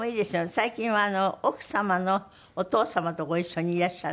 最近は奥様のお父様とご一緒にいらっしゃる？